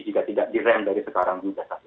jika tidak direm dari sekarang